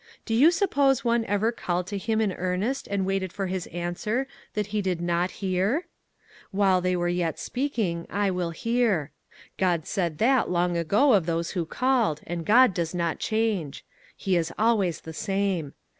Do you suppose one ever called to him in earnest and waited for his answer that he did not hear? " While they are yet speaking, I will hear." God said that long ago of those who called, and God does not change. He is always the same.